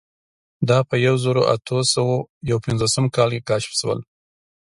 دا په یوه زرو اتو سوو یو پنځوسم کال کې کشف شول.